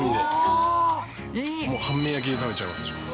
もう、半面焼きで食べちゃいます。